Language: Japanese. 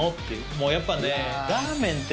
もうやっぱね。